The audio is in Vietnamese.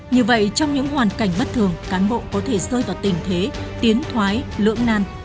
như vậy trong những hoàn cảnh bất thường cán bộ có thể rơi vào tình thế tiến thoái lưỡng nan